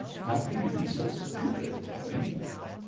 How can you be so stupid, Tony?"